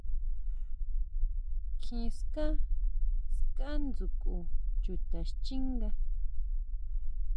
Kjí ska, ska dsjukʼu chita xchínga.